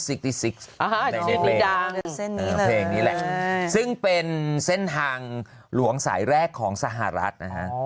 เพลงนี้แหละซึ่งเป็นเส้นทางหลวงสายแรกของสหรัฐนะฮะ